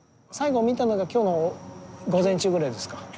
最後見たのが今日の午前中ぐらいですか？